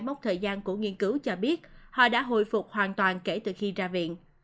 mốc thời gian của nghiên cứu cho biết họ đã hồi phục hoàn toàn kể từ khi ra viện